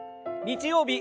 日曜日